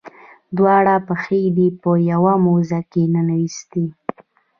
دواړه پښې دې په یوه موزه کې ننویستې.